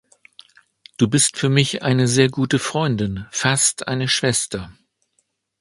Du bist für mich eine sehr gute Freundin, fast eine Schwester.